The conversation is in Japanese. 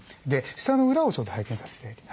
舌の裏をちょっと拝見させて頂いて。